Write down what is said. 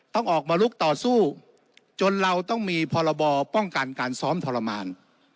ต้องออกมาลุกต่อสู้จนเราต้องมีพรบป้องกันการซ้อมทรมาน